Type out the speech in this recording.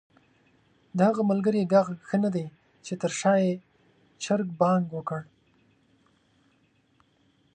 د هغه ملګري ږغ ښه ندی چې تر شا ېې چرګ بانګ وکړ؟!